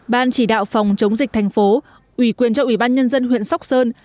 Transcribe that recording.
ban chỉ đạo phòng chống dịch tp ủy quyền cho ủy ban nhân dân huyện sóc sơn